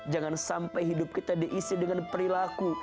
jangan sampai hidup kita diisi dengan perilaku